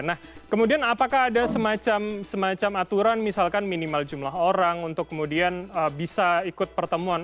nah kemudian apakah ada semacam aturan misalkan minimal jumlah orang untuk kemudian bisa ikut pertemuan